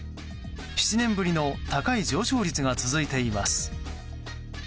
７年ぶりの高い上昇率が続いています。